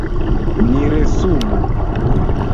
Ni resumu.